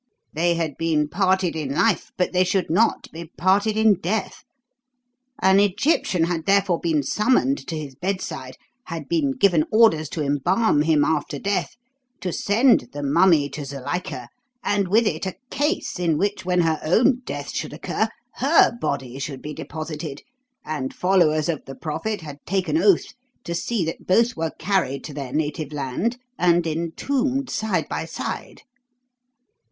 They had been parted in life, but they should not be parted in death. An Egyptian had, therefore, been summoned to his bedside, had been given orders to embalm him after death, to send the mummy to Zuilika, and with it a case in which, when her own death should occur, her body should be deposited; and followers of the prophet had taken oath to see that both were carried to their native land and entombed side by side.